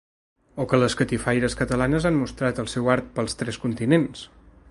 O que les catifaires catalanes han mostrat el seu art pels tres continents.